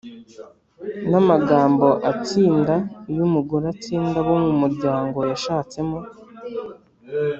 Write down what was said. n’amagambo atsinda iyo umugore atsinda abo mu muryango yashatsemo